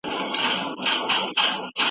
ټولنپوهان اوږده موده کار کړی دی.